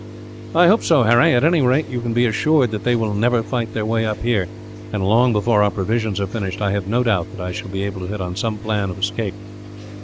"I hope so, Harry. At any rate, you can be assured that they will never fight their way up here and, long before our provisions are finished, I have no doubt that I shall be able to hit on some plan of escape."